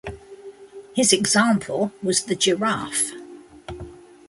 His example was the giraffe.